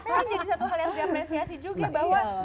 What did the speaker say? ini jadi satu hal yang diapresiasi juga bahwa